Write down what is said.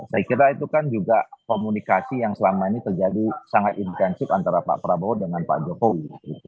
saya kira itu kan juga komunikasi yang selama ini terjadi sangat intensif antara pak prabowo dengan pak jokowi